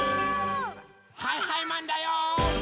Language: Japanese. はいはいマンだよ！